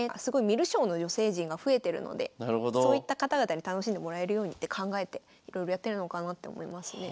観る将の女性陣が増えてるのでそういった方々に楽しんでもらえるようにって考えていろいろやってるのかなって思いますね。